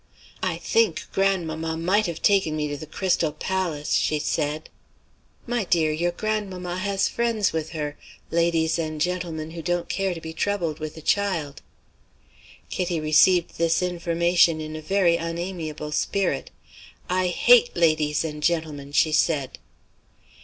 "I think grandmamma might have taken me to the Crystal Palace," she said. "My dear, your grandmamma has friends with her ladies and gentlemen who don't care to be troubled with a child." Kitty received this information in a very unamiable spirit. "I hate ladies and gentlemen!" she said.